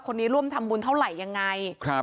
คนนี้ร่วมทำบุญเท่าไหร่ยังไง